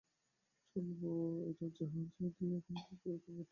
চলো, এটা জাহাজে লাগিয়ে নিয়ে এখান থেকে চম্পট দেই।